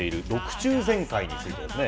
中全会についてですね。